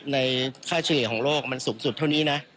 ในค่าเฉลี่ยของโลกมันสูงสุดเท่านี้นะ